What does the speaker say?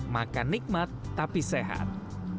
makan nikmat tapi sehat